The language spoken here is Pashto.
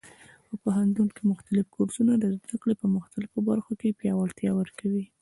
په پوهنتون کې مختلف کورسونه د زده کړې په مختلفو برخو کې پیاوړتیا ورکوي.